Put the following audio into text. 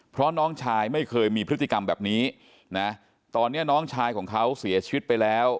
เพราะน้องชายไม่เคยมีพฤติกรรมแบบนี้นะตอนนี้น้องชายของเขาเสียชีวิตไปแล้ว